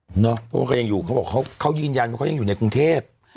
เพราะว่าเขายังอยู่เขาบอกเขายืนยันว่าเขายังอยู่ในกรุงเทพ